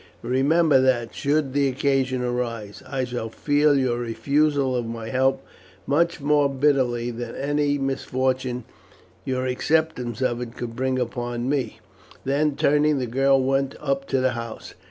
Remember that, should the occasion arise, I shall feel your refusal of my help much more bitterly than any misfortune your acceptance of it could bring upon me." Then turning, the girl went up to the house.